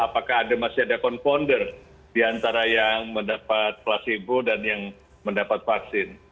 apakah masih ada confounder di antara yang mendapat placebo dan yang mendapat vaksin